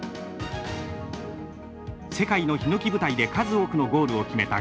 世界のひのき舞台で数多くのゴールを決めたガリー・リネカー。